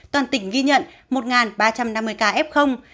toàn tỉnh ghi nhận một ba trăm năm mươi ca f